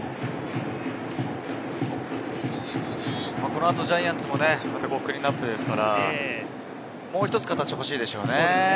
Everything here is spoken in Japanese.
このあとジャイアンツもクリーンナップですから、もう一つ形が欲しいでしょうね。